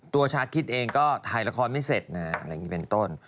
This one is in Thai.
ชาคิดเองก็ถ่ายละครไม่เสร็จนะอะไรอย่างนี้เป็นต้น